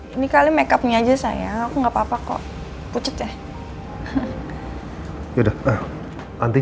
ini kali makeupnya aja saya aku nggak papa kok pucet ya